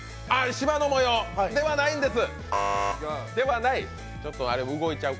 しまの模様ではないんです。